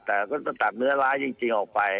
แต่ก็ต้องตัดเนื้อร้ายจริงออกไป